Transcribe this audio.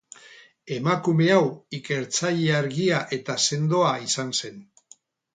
Emakume hau, ikertzaile argia eta sendoa izan zen.